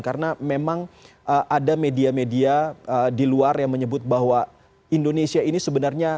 karena memang ada media media di luar yang menyebut bahwa indonesia ini sebenarnya